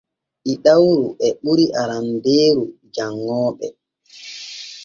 Ɗiɗawru e ɓuri arandeeru janŋooɓe.